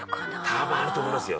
「多分あると思いますよ」